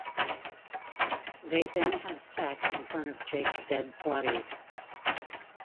They then have sex in front of Jake's dead body.